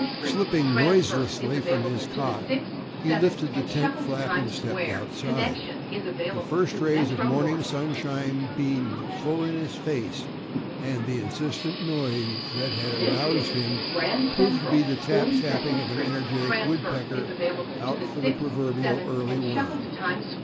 Slipping noiselessly from his cot, he lifted the tent flap and stepped outside. The first rays of morning sunshine beamed full in his face, and the insistent noise that had aroused him proved to be the tap tapping of an energetic woodpecker out for the proverbial "early worm."